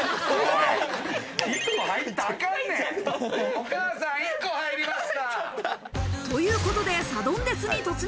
お母さん、１個入りました！ということで、サドンデスに突入。